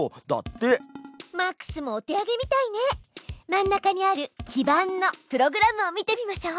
真ん中にある基板のプログラムを見てみましょう。